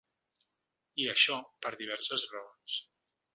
I això, per diverses raons.